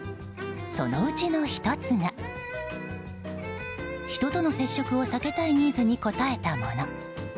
そのうちの１つが人との接触を避けたいニーズに応えたもの。